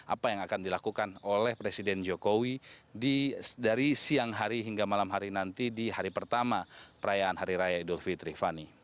apa yang akan dilakukan oleh presiden jokowi dari siang hari hingga malam hari nanti di hari pertama perayaan hari raya idul fitri fani